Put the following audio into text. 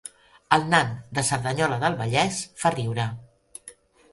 El nan de Cerdanyola del Vallès fa riure